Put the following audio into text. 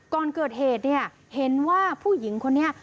ก่อนเกิดเหตุเนี่ยเห็นว่าผู้หญิงคนนี้